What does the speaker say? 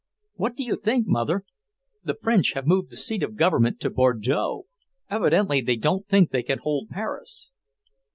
"What do you, think, Mother? The French have moved the seat of government to Bordeaux! Evidently, they don't think they can hold Paris."